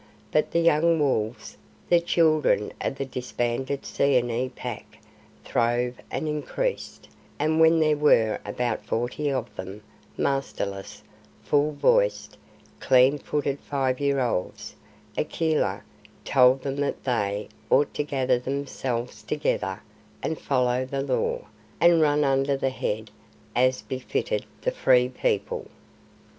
But the young wolves, the children of the disbanded Seeonee Pack, throve and increased, and when there were about forty of them, masterless, full voiced, clean footed five year olds, Akela told them that they ought to gather themselves together and follow the Law, and run under one head, as befitted the Free People.